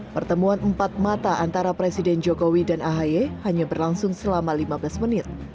pertemuan empat mata antara presiden jokowi dan ahy hanya berlangsung selama lima belas menit